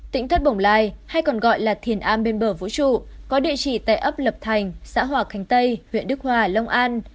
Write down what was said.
tỉnh thất bồng lai hay còn gọi là thiền a bên bờ vũ trụ có địa chỉ tại ấp lập thành xã hòa khánh tây huyện đức hòa long an